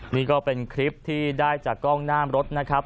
นี่ก็เป็นคลิปที่ได้จากกล้องหน้ารถนะครับ